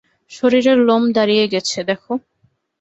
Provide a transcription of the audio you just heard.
শরীরের লোম দাঁড়িয়ে গেছে, দেখো।